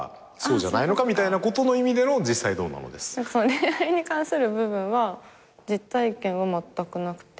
恋愛に関する部分は実体験はまったくなくて。